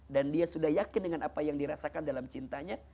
dia sudah yakin dengan apa yang dirasakan dalam cintanya